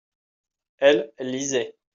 elle, elle lisait.